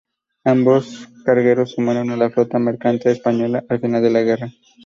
Ambos cargueros se sumaron a la flota mercante española al final de la guerra.